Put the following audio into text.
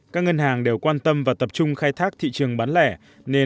các ngân hàng đều quan tâm và tập trung khai thác thị trường bán lẻ